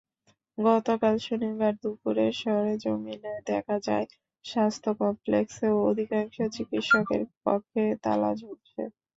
গতকাল শনিবার দুপুরে সরেজমিনে দেখা যায়, স্বাস্থ্য কমপ্লেক্সে অধিকাংশ চিকিৎসকের কক্ষে তালা ঝুলছে।